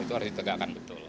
itu artinya tegakkan betul